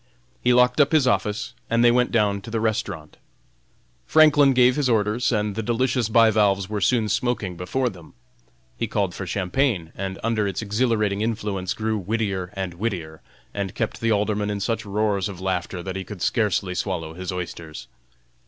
He locked up his office, and they went down to the restaurant. Franklin gave his orders, and the delicious bivalves were soon smoking before them. He called for champagne, and under its exhilarating influence grew wittier and wittier, and kept the Alderman in such roars of laughter that he could scarcely swallow his oysters.